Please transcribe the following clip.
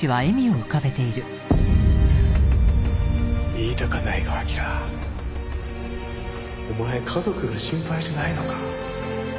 言いたかないが彬お前家族が心配じゃないのか？